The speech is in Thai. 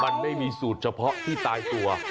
มันไม่มีสูตรเฉพาะที่ตายตัว